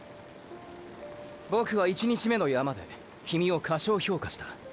ボクは１日目の山でキミを過小評価した。